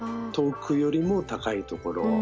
遠くよりも高いところ。